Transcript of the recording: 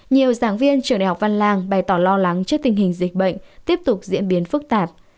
nhiều giảng viên trường đại học văn lang bày tỏ lo lắng trước tình hình dịch bệnh tiếp tục diễn biến phức tạp